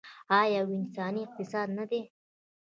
آیا یو انساني اقتصاد نه دی؟